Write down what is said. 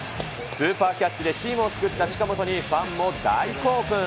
スーパーキャッチでチームを救った近本に、ファンも大興奮。